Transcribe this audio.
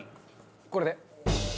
これで。